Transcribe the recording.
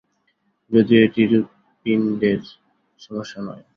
যদিও এটি হূৎপিণ্ডের সমস্যা নয়।